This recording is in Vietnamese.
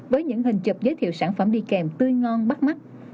với những hình chụp giới thiệu sản phẩm đi kèm tươi ngon bắt mắt